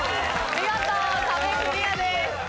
見事壁クリアです。